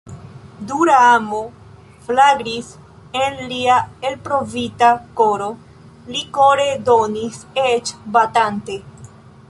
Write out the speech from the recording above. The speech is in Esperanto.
Dura amo flagris en lia elprovita koro; li kore donis, eĉ batante.